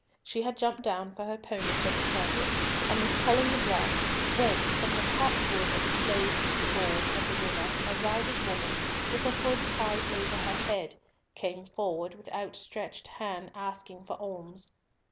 She had jumped down from her pony for the purpose, and was culling the branch, when from the copsewood that clothed the gorge of the river a ragged woman, with a hood tied over her head, came forward with outstretched hand asking for alms.